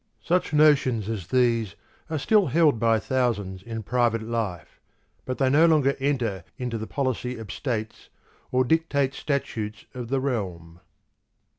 Such notions as these are still held by thousands in private life, but they no longer enter into the policy of states or dictate statutes of the realm.